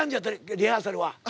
リハーサルは。